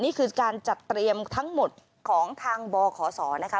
นี่คือการจัดเตรียมทั้งหมดของทางบขศนะคะ